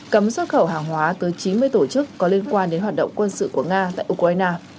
cấm xuất khẩu hàng hóa tới chín mươi tổ chức có liên quan đến hoạt động quân sự của nga tại ukraine